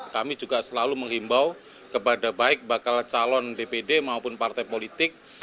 kami juga selalu menghimbau kepada baik bakal calon dpd maupun partai politik